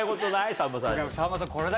さんまさんに。